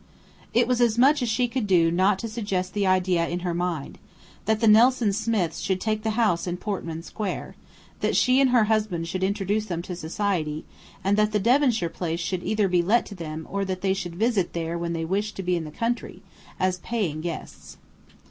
It was as much as she could do not to suggest the idea in her mind: that the Nelson Smiths should take the house in Portman Square; that she and her husband should introduce them to society, and that the Devonshire place should either be let to them or that they should visit there when they wished to be in the country, as paying guests.